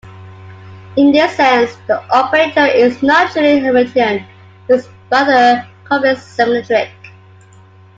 In this sense, the operator is not truly Hermitian but is rather complex-symmetric.